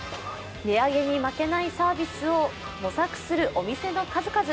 値上げに負けないサービスを模索するお店の数々。